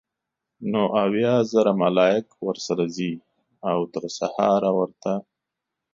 نو اويا زره ملائک ورسره ځي؛ او تر سهاره ورته